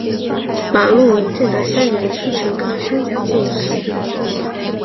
马录为正德三年戊辰科三甲进士。